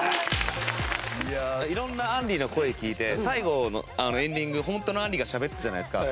色んなあんりの声聞いて最後のエンディングホントのあんりがしゃべったじゃないですか。